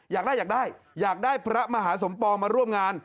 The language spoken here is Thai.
อยากได้อยากได้อยากได้พระมหาสมปองมาร่วมงาน